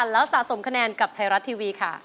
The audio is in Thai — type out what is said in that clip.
แล้วสะสมคะแนนกับไทยรัฐทีวีค่ะ